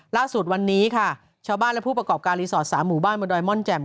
ล่าสุดวันนี้ค่ะชาวบ้านและผู้ประกอบการรีสอร์ท๓หมู่บ้านบนดอยม่อนแจ่ม